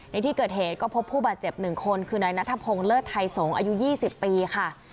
ในที่เกิดเหตุก็พบผู้บาดเจ็บ๑คนคือนายนัทพงศ์เลิศไทยสงฆ์อายุ๒๐ปีค่ะ